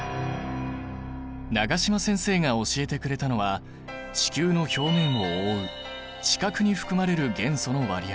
永島先生が教えてくれたのは地球の表面を覆う地殻に含まれる元素の割合だ。